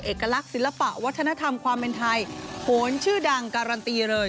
เอกลักษณ์ศิลปะวัฒนธรรมความเป็นไทยโหนชื่อดังการันตีเลย